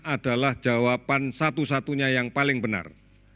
adalah jawaban satu satunya yang paling benar